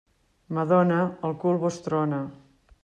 Madona, el cul vos trona.